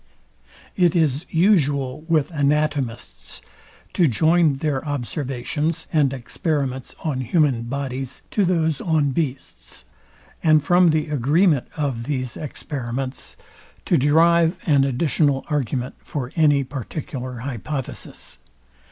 It is usual with anatomists to join their observations and experiments on human bodies to those on beasts, and from the agreement of these experiments to derive an additional argument for any particular hypothesis.